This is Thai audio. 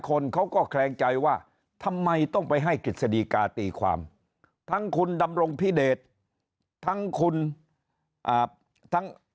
คนเขาก็แคลงใจว่าทำไมต้องไปให้กฤษฎีกาตีความทั้งคุณดำรงพิเดชทั้งคุณอ่าทั้ง